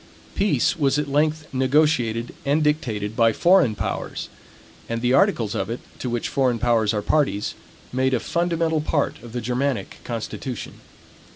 Peace was at length negotiated, and dictated by foreign powers; and the articles of it, to which foreign powers are parties, made a fundamental part of the Germanic constitution.